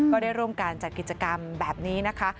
ก็ได้ร่วมการจัดกิจกรรมแบบนี้นะคะ